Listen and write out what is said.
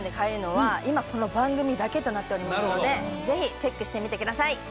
今この番組だけとなっておりますのでぜひチェックしてみてください。